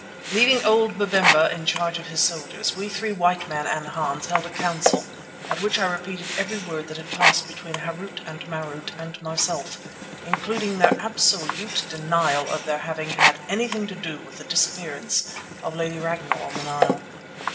Leaving old Babemba in charge of his soldiers, we three white men and Hans held a council at which I repeated every word that had passed between Harût and Marût and myself, including their absolute denial of their having had anything to do with the disappearance of Lady Ragnall on the Nile.